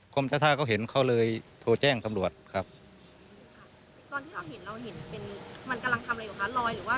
กรมเจ้าท่าก็เห็นเขาเลยโทรแจ้งตำรวจครับตอนที่เราเห็นเราเห็นเป็น